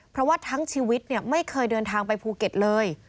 เพราะว่าทั้งชีวิตไม่เคยเดินทางไปภูเก็ตเลย